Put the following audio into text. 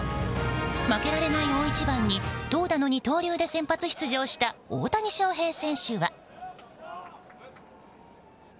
負けられない大一番に投打の二刀流で先発出場した大谷翔平選手は。